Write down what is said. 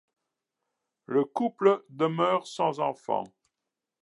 Le couple demeure sans enfant.